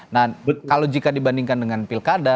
nah kalau jika dibandingkan dengan pilkada